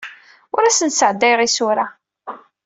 Ur awen-d-sɛeddayeɣ isura.